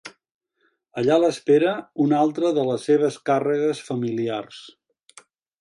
Allà l'espera una altra de les seves càrregues familiars.